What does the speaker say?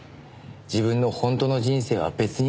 自分の本当の人生は別にある。